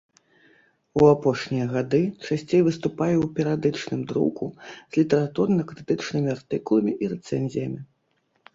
У апошнія гады часцей выступае ў перыядычным друку з літаратурна-крытычнымі артыкуламі і рэцэнзіямі.